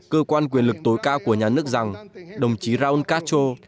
cơ quan quyền lực tối cao của nhà nước rằng đồng chí raúl castro